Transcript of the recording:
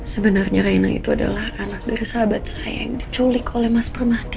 sebenarnya raina itu adalah anak dari sahabat saya yang diculik oleh mas permati